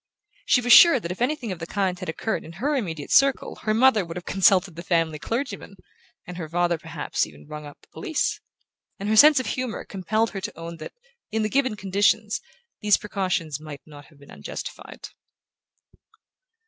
She was sure that if anything of the kind had occurred in her immediate circle her mother would have consulted the family clergyman, and her father perhaps even have rung up the police; and her sense of humour compelled her to own that, in the given conditions, these precautions might not have been unjustified.